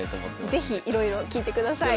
是非いろいろ聞いてください。